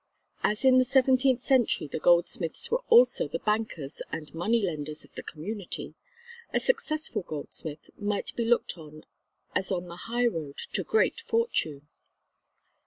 As in the seventeenth century the goldsmiths were also the bankers and moneylenders of the community, a successful goldsmith might be looked on as on the highroad to great fortune.